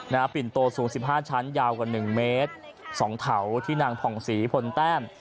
ปิ่นโตสูงสิบห้าชั้นยาวกว่าหนึ่งเมตรสองเถาที่นางผ่องศรีพลแต้ม